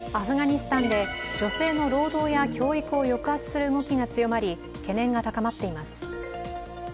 アフガニスタンで女性の労働や教育を抑圧する動きが強まり懸念が高まっています。